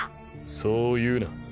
そう言うな。